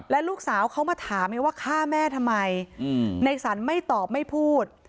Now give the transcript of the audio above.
ลูกสาวเขามาถามไงว่าฆ่าแม่ทำไมในสรรไม่ตอบไม่พูด